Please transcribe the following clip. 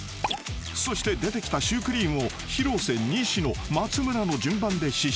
［そして出てきたシュークリームを広瀬西野松村の順番で試食］